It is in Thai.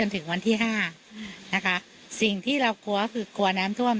ถึงวันที่ห้านะคะสิ่งที่เรากลัวก็คือกลัวน้ำท่วม